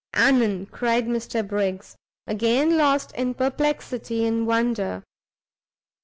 "Anan!" said Mr Briggs, again lost in perplexity and wonder.